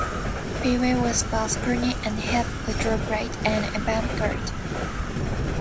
Pee-wee was both "corny" and "hip", "retrograde" and "avant-garde".